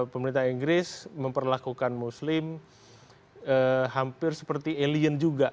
pemerintah inggris memperlakukan muslim hampir seperti alien juga